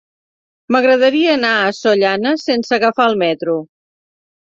M'agradaria anar a Sollana sense agafar el metro.